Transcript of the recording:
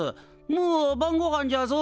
もう晩ごはんじゃぞ。